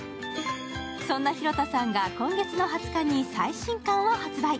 そんな廣田さんが今月の２０日に最新巻を発売。